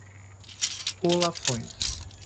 Colações